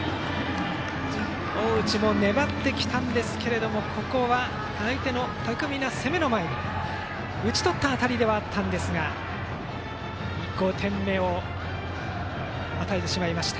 大内も粘りましたがここは相手の巧みな攻めの前に打ち取った当たりでしたが５点目を与えてしまいました。